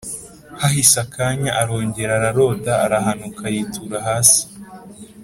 hahise akanya arongera ararota arahanuka yitura hasi